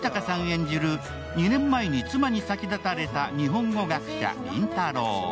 演じる２年前に妻に先立たれた日本語学者、林太郎。